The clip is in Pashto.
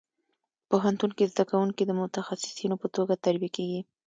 پوهنتون کې زده کوونکي د متخصصینو په توګه تربیه کېږي.